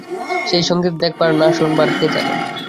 সেই সংগীত দেখবার না শোনবার কে জানে।